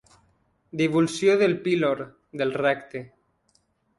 Divulsió del pílor, del recte.